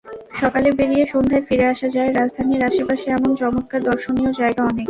সকালে বেরিয়ে সন্ধ্যায় ফিরে আসা যায়—রাজধানীর আশপাশে এমন চমৎকার দর্শনীয় জায়গা অনেক।